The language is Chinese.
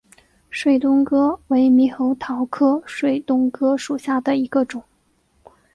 水东哥为猕猴桃科水东哥属下的一个种。